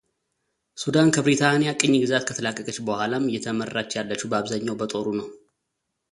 ሱዳን ከብሪታንያ ቅኝ ግዛት ከተላቀቀች በኋላም እየተመራች ያለችው በአብዛኛው በጦሩ ነው።